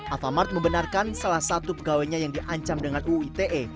alfamart membenarkan salah satu pegawainya yang diancam dengan uite